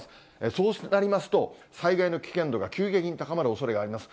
そうなりますと、災害の危険度が急激に高まるおそれがあります。